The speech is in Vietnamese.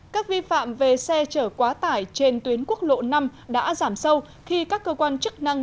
các vi phạm về xe chở quá tải trên tuyến quốc lộ năm đã giảm sâu khi các cơ quan chức năng